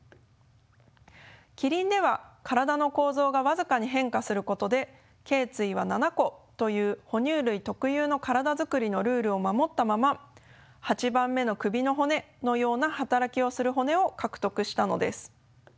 キリンでは体の構造が僅かに変化することでけい椎は７個という哺乳類特有の体づくりのルールを守ったまま８番目の首の骨のような働きをする骨を獲得したのです。